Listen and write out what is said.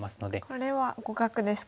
これは互角ですか？